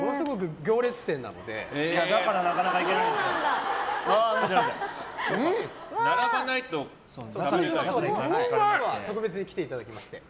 今日は特別に来ていただきまして。